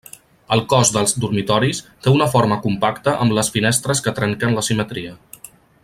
El cos dels dormitoris té una forma compacta amb les finestres que trenquen la simetria.